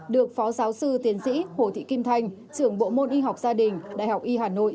được phó giáo sư tiến sĩ hồ thị kim thanh trưởng bộ môn y học gia đình đại học y hà nội